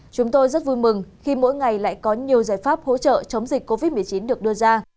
chúng tôi rất vui mừng khi mỗi ngày lại có nhiều giải pháp hỗ trợ chống dịch covid một mươi chín được đưa ra